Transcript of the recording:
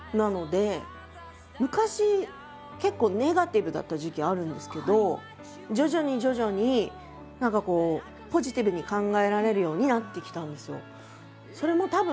昔結構ネガティブだった時期あるんですけど徐々に徐々に何かこうポジティブに考えられるようになってきたんですよ。